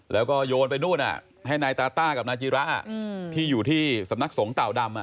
แล้วก็โยนไปนู่นให้นายตาต้ากับนายจิระที่อยู่ที่สำนักสงฆ์เต่าดำ